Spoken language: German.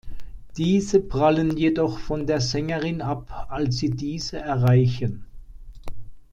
Diese prallen jedoch von der Sängerin ab, als sie diese erreichen.